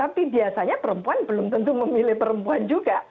tapi biasanya perempuan belum tentu memilih perempuan juga